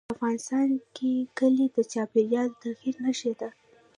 افغانستان کې کلي د چاپېریال د تغیر نښه ده.